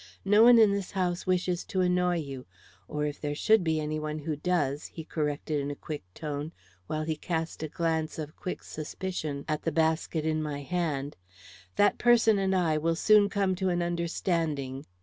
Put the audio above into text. "No one in this house wishes to annoy you or if there should be any one who does," he corrected in a quick tone, while he cast a glance of quick suspicion at the basket in my hand, "that person and I will soon come to an understanding."